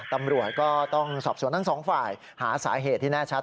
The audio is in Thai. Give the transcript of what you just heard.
ตำรวจก็ต้องสอบสวนทั้งสองฝ่ายหาสาเหตุที่แน่ชัด